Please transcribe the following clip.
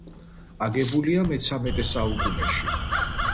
აგებულია მეცამეტე საუკუნეში.